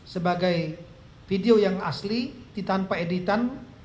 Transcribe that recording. sebagai video yang asli tanpa editan